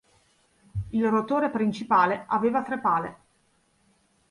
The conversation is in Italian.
Il rotore principale aveva tre pale.